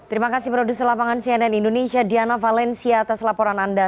terima kasih produser lapangan cnn indonesia diana valencia atas laporan anda